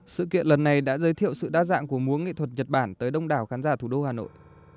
sự kiện lần này đã giới thiệu sự đa dạng của múa nghệ thuật nhật bản tới đông đảo khán giả thủ đô hà nội